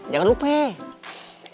jangan lupa ya